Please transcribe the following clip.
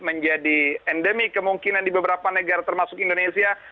menjadi endemi kemungkinan di beberapa negara termasuk indonesia